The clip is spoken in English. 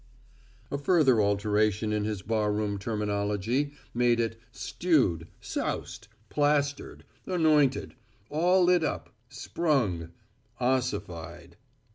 A further alteration in his barroom terminology made it stewed, soused, plastered, anointed, all lit up, sprung, ossified.